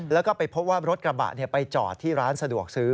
แล้วก็ไปพบว่ารถกระบะไปจอดที่ร้านสะดวกซื้อ